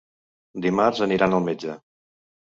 Dimarts aniran al metge.